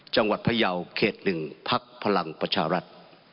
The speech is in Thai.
จังหวัดพระยาวเขตหนึ่งภักดิ์พลังประชารัฐ